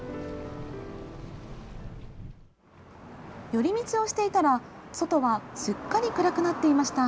寄り道をしていたら外はすっかり暗くなっていました。